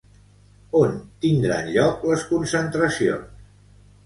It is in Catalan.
On tindran lloc les concentracions?